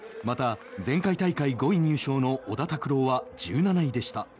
また前回大会５位入賞の小田卓朗は１７位でした。